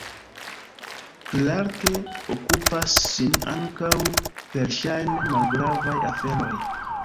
Clarke okupas sin ankaŭ per ŝajne malgravaj aferoj.